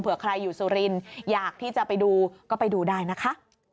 ใครอยู่สุรินทร์อยากที่จะไปดูก็ไปดูได้นะคะ